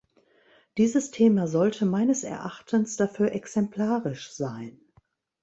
Dieses Thema sollte meines Erachtens dafür exemplarisch sein.